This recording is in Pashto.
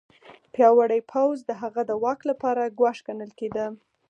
پیاوړی پوځ د هغه د واک لپاره ګواښ ګڼل کېده.